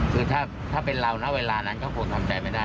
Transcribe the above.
คือถ้าเป็นเราทั้งเวลานั้นก็โผล่ทำแต่ไม่ได้